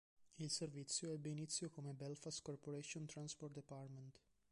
Il servizio ebbe inizio come "Belfast Corporation Transport Department".